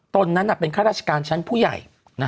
ตนนั้นเป็นข้าราชการชั้นผู้ใหญ่